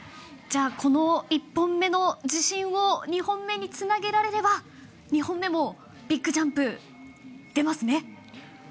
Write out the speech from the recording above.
この１本目の自信を２本目につなげられれば２本目もビッグジャンプ出ますね。